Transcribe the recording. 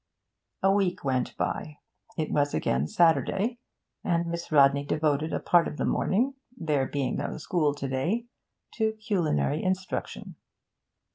A week went by; it was again Saturday, and Miss Rodney devoted a part of the morning (there being no school to day) to culinary instruction.